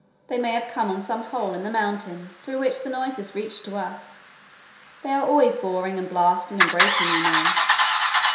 They may have come on some hole in the mountain through which the noises reach to us. They are always boring and blasting and breaking, you know.'